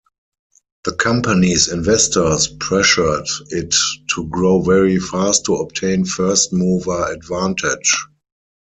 The company's investors pressured it to grow very fast to obtain first-mover advantage.